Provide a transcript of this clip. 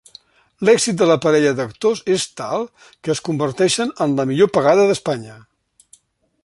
L'èxit de la parella d'actors és tal que es converteixen en la millor pagada d'Espanya.